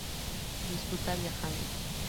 Disfruta viajando.